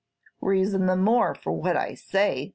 "Reason the more for what I say!"